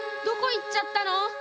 どこいっちゃったの？